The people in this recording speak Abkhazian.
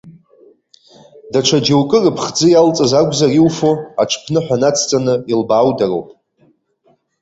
Даҽа џьоукы рыԥхӡы иалҵыз акәзар иуфо, аҽԥныҳәа нацҵаны илбааудароуп.